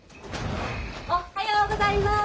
おっはようございます。